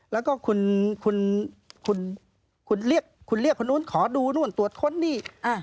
แล้วก็คุณเรียกคนนู้นขอดูนู่นตรวจค้นหนี้